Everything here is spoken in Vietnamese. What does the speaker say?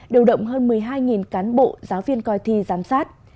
điều động hơn một mươi hai cán bộ giáo viên coi thi giám sát